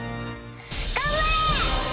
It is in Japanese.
頑張れ！